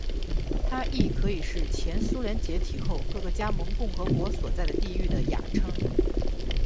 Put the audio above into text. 它亦可以是前苏联解体后各个加盟共和国所在的地域的雅称。